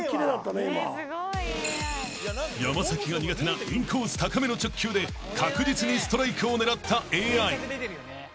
［山が苦手なインコース高めの直球で確実にストライクを狙ったＡＩ］